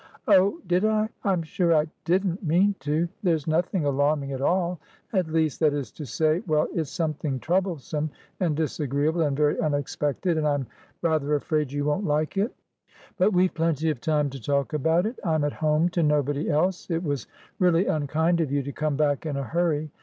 "Oh, did I? I'm sure I didn't mean to. There's nothing alarming at allat leastthat is to saywell, it's something troublesome and disagreeable and very unexpected, and I'm rather afraid you won't like it. But we've plenty of time to talk about it. I'm at home to nobody else. It was really unkind of you to come back in a hurry!